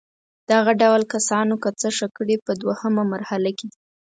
دغه ډول کسانو که څه ښه کړي په دوهمه مرحله کې دي.